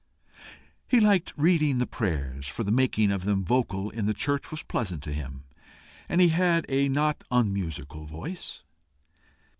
He liked reading the prayers, for the making of them vocal in the church was pleasant to him, and he had a not unmusical voice.